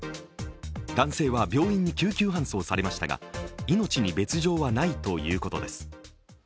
男性は病院に救急搬送されましたが命に別状はないということです。